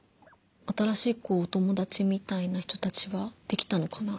新しい子お友だちみたいな人たちはできたのかな？